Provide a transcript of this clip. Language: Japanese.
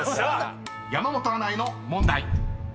［山本アナへの問題］